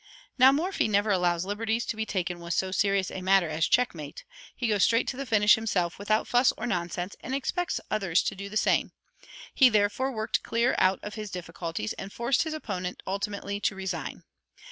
Now Morphy never allows liberties to be taken with so serious a matter as check mate; he goes straight to the finish himself without fuss or nonsense, and expects others to do the same; he, therefore, worked clear out of his difficulties and forced his opponent ultimately to resign.